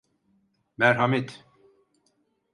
Merhamet!